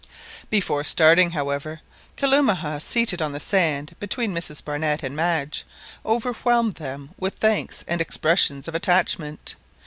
Before starting, however, Kalumah, seated on the sand between Mrs Barnett and Madge, overwhelmed them with thanks and expressions of attachment.